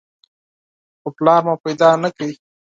خو پلار مې پیدا نه کړ.